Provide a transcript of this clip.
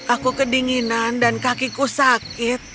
aku kedinginan dan kakiku sakit